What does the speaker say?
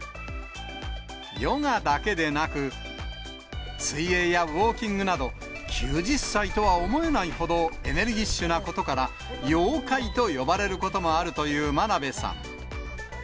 ヨガだけでなく、水泳やウオーキングなど、９０歳とは思えないほどエネルギッシュなことから、妖怪と呼ばれることもあるという真鍋さん。